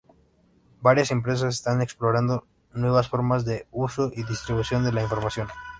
Varias empresas están explorando nuevas formas de uso y distribución de la información.